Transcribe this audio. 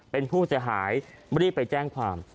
เป็นผู้เสียหายรีบไปแจ้งความ